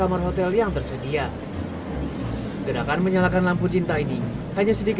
jangan stres kita harus positif thinking